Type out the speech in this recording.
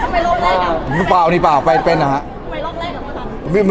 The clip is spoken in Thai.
ไปเป็นน่ะฮะไม่ทราบผมผมหลับอยู่